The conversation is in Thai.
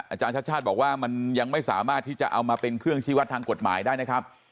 อาจารย์ชาติชาติบอกว่ามันยังไม่สามารถที่จะเอามาเป็นเครื่องชี้วัดทางกฎหมายได้นะครับ